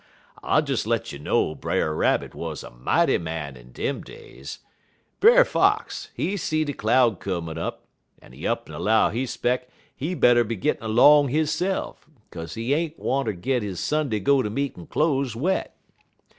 I des let you know Brer Rabbit 'uz a mighty man in dem days. Brer Fox, he see de cloud comin' up, en he up'n 'low he 'speck he better be gittin' 'long hisse'f, 'kaze he ain't wanter git he Sunday go ter meetin' cloze wet.